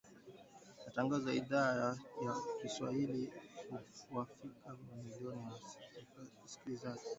Matangazo ya Idhaa ya Kiswahili huwafikia mamilioni ya wasikilizaji katika Afrika Mashariki